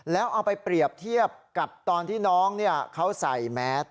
แล้วเอาไปเปรียบเทียบกับตอนที่น้องเขาใส่แมส